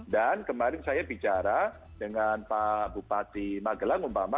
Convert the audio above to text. dan kemarin saya bicara dengan pak bupati magelang umpama